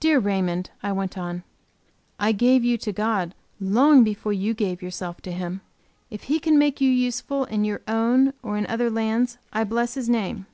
"Dear Raymond," I went on, "I gave you to God long before you gave yourself to Him. If He can make you useful in your own, or in other lands, I bless His name.